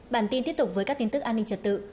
bản tin tiếp tục với các tin tức an ninh trật tự